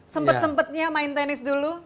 sempet sempetnya main tenis dulu